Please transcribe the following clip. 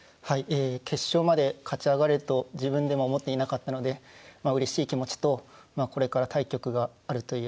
ええ決勝まで勝ち上がれると自分でも思っていなかったのでうれしい気持ちとこれから対局があるという緊張感があります。